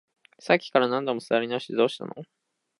さっきから何度も座り直して、どうしたの？